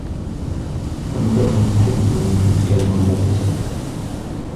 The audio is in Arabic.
لم تكن تحبّني تلك المدرّسة.